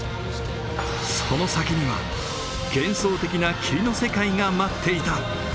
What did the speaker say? その先には幻想的な霧の世界が待っていた。